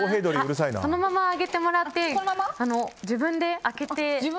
そのままあげてもらって自分で開けて。